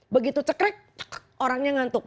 begitu cekrek orangnya ngantuk